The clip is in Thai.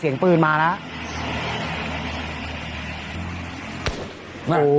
เสียงปืนมาแล้ว